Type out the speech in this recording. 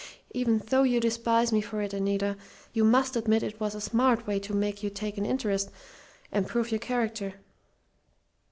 Even though you despise me for it, Anita, you must admit it was a smart way to make you take an interest, and prove your character.